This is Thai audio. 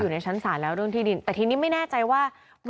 ในชั้นศาลแล้วเรื่องที่ดินแต่ทีนี้ไม่แน่ใจว่า